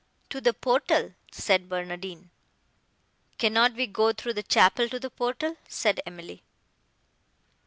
"To the portal," said Barnardine. "Cannot we go through the chapel to the portal?" said Emily.